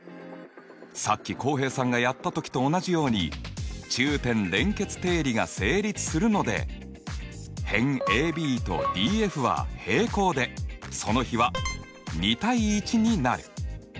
さっき浩平さんがやった時と同じように中点連結定理が成立するので辺ＡＢとＤＦは平行でその比は２：１になる。